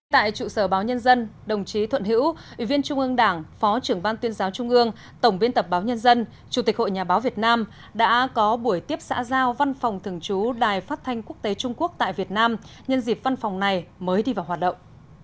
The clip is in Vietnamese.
tại trụ sở báo nhân dân đồng chí thuận hữu ủy viên trung ương đảng phó trưởng ban tuyên giáo trung ương tổng biên tập báo nhân dân chủ tịch hội nhà báo việt nam đã có buổi tiếp xã giao văn phòng thường trú đài phát thanh quốc tế trung quốc tại việt nam nhân dịp văn phòng này mới đi vào hoạt động